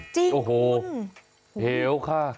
จริงโอ้โฮเหลวค่ะ